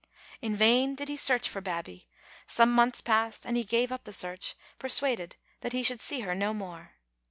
In vain did he search for Babbie. Some months passed and he gave up the search, persuaded that he should see her no more.